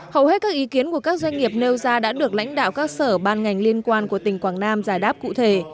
hầu hết các ý kiến của các doanh nghiệp nêu ra đã được lãnh đạo các sở ban ngành liên quan của tỉnh quảng nam giải đáp cụ thể